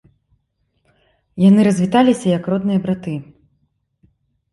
Яны развіталіся, як родныя браты.